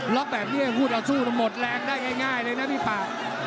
ล็อกแบบนี้พูดเอาสู้ทั้งหมดแรงได้ง่ายเลยนะพี่ปาก